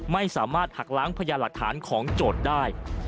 ไม่สามารถหักล้างพยานหลักฐานของโจทย์ได้